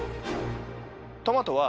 トマトは。